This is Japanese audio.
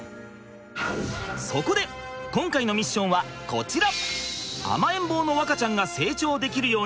そこで今回のミッションはこちら！